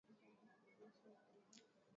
benki inatakiwa kuhimarisha mazingira ya soko